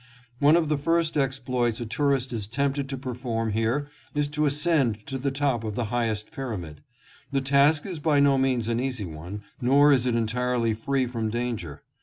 One of the first exploits a tourist is tempted to per form here is to ascend to the top of the highest Pyra mid. The task is by no means an easy one, nor is it entirely free from danger.